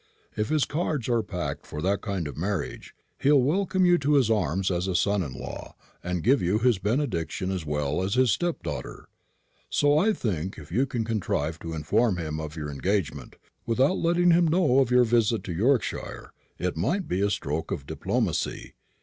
If his cards are packed for that kind of marriage, he'll welcome you to his arms as a son in law, and give you his benediction as well as his stepdaughter. So I think if you can contrive to inform him of your engagement, without letting him know of your visit to Yorkshire, it might be a stroke of diplomacy.